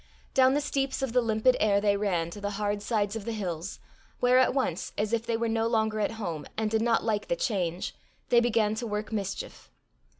Down the steeps of the limpid air they ran to the hard sides of the hills, where at once, as if they were no longer at home, and did not like the change, they began to work mischief.